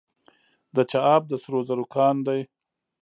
د چاه اب د سرو زرو کان دی